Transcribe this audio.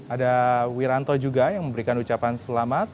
ada wiranto juga yang memberikan ucapan selamat